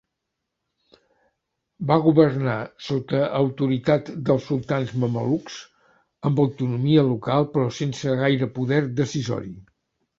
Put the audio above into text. Va governar sota autoritat dels sultans mamelucs, amb autonomia local però sense gaire poder decisori.